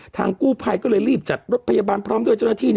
กู้ภัยก็เลยรีบจัดรถพยาบาลพร้อมด้วยเจ้าหน้าที่